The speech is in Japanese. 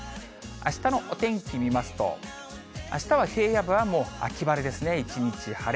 あしたのお天気見ますと、あしたは平野部は秋晴れですね、一日晴れ。